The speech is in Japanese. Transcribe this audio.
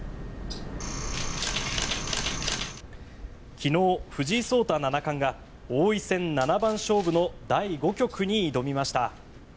昨日、藤井聡太七冠が王位戦七番勝負の第５局に挑みました。